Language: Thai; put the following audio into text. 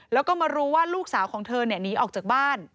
แล้วก็มารู้ว่าลูกสาวของเธอหนีออกจากบ้าน